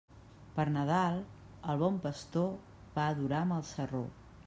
Per Nadal, el bon pastor va a adorar amb el sarró.